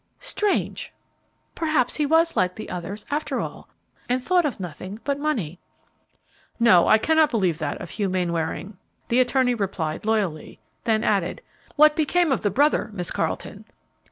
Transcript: "Strange! Perhaps he was like the others, after all, and thought of nothing but money." "No, I cannot believe that of Hugh Mainwaring," the attorney replied, loyally; then added, "What became of the brother, Miss Carleton?"